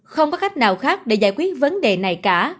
không có khách nào khác để giải quyết vấn đề này cả